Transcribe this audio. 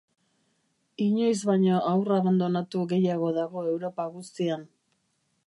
Inoiz baino haur abandonatu gehiago dago Europa guztian.